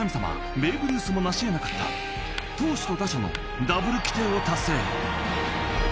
ベーブルースも成しえなかった投手と打者のダブル規定を達成。